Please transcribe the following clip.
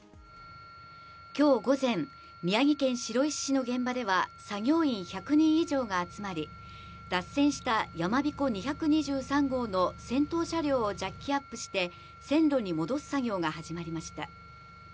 今日午前宮城県白石市の現場では作業員１００人以上が集まり脱線した「やまびこ２２３号」の先頭車両をジャッキアップして線路に戻す作業が始まりました。